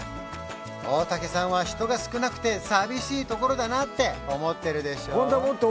大竹さんは人が少なくて寂しいところだなって思ってるでしょ？